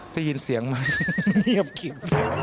ได้ยินเสียงไหมเงียบขิด